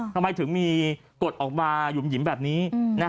ทำไมถึงมีกฎออกมาหยุ่มแบบนี้